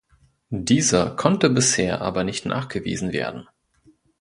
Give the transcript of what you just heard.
Dieser konnte bisher aber nicht nachgewiesen werden.